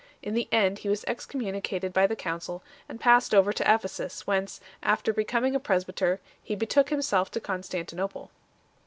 In the end he was excommunicated by the council, and passed over to Ephesus, whence, after becoming a presbyter, he betook himself to Constantinople.